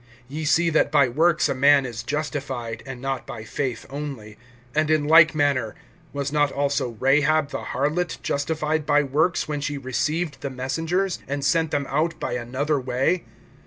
(24)Ye see that by works a man is justified, and not by faith only. (25)And in like manner, was not also Rahab the harlot justified by works, when she received the messengers, and sent them out by another way?